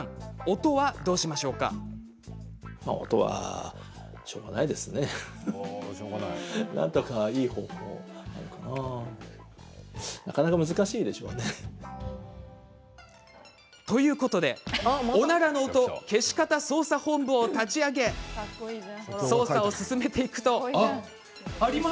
音は、どうしましょうか。ということでおならの音消し方捜査本部を立ち上げ捜査を進めていくと。